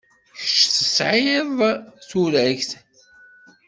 Kečč tesɛid turagt.